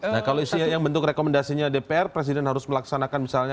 nah kalau yang bentuk rekomendasinya dpr presiden harus melaksanakan misalnya